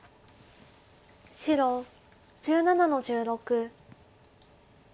白１７の十六。